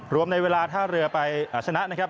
ในเวลาท่าเรือไปชนะนะครับ